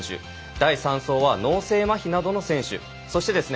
第３走は脳性まひなどの選手そしてですね